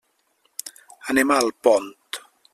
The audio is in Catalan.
Anem a Alpont.